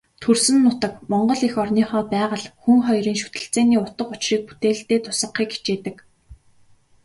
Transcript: Төрсөн нутаг, Монгол эх орныхоо байгаль, хүн хоёрын шүтэлцээний утга учрыг бүтээлдээ тусгахыг хичээдэг.